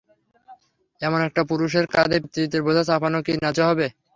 এমন একটা পুরুষের কাঁধে পিতৃত্বের বোঝা চাপানো কী ন্যায্য হবে?